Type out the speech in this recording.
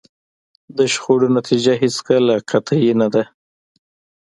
د شخړو نتیجه هېڅکله قطعي نه ده.